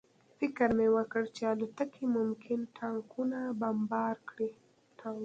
فکر مې وکړ چې الوتکې ممکن ټانکونه بمبار کړي